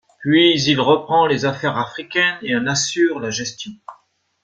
Puis il reprend les affaires africaines et en assure la gestion.